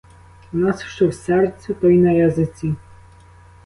У нас що в серцю, то й на язиці.